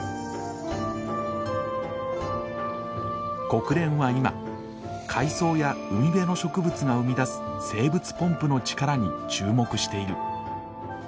国連は今海藻や海辺の植物が生み出す生物ポンプの力に注目している。